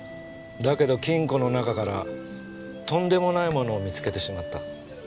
だけど金庫の中からとんでもないものを見つけてしまった。